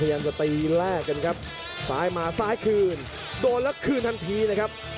พยายามจะตีแลกกันครับซ้ายมาซ้ายคืนโดนแล้วคืนทันทีนะครับ